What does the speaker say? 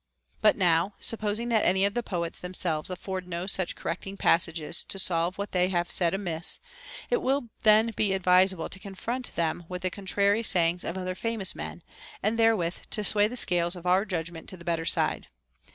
But now, supposing that any of the poets themselves afford no such correcting passages to solve what they have said amiss, it will then be advisable to confront them with the contrary sayings of other famous men, and therewith to sway the scales of our judgment to the better side.